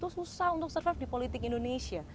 susah untuk survive di politik indonesia